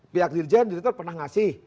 pihak dirjen direktur pernah ngasih